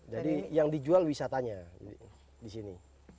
jadi yang dijual wisatanya di sini